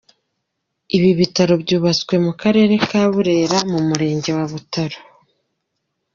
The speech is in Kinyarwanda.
Ibi bitaro byutswe mu Karere ka Burera mu murenge wa Butaro.